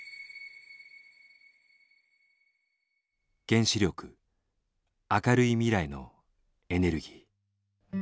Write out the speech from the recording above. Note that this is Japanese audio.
「原子力明るい未来のエネルギー」。